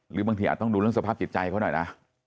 หรือบางทีอาจต้องดูเรื่องสภาพจิตใจเขาหน่อยนะ